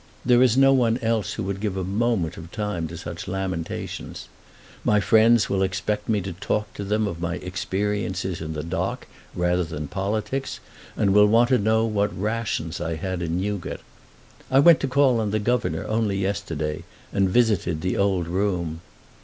There is no one else who would give a moment of time to such lamentations. My friends will expect me to talk to them of my experiences in the dock rather than politics, and will want to know what rations I had in Newgate. I went to call on the Governor only yesterday, and visited the old room.